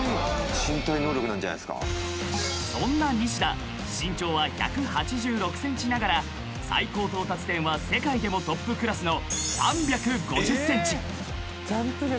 ［そんな西田身長は１８６ｃｍながら最高到達点は世界でもトップクラスの３５０ｃｍ］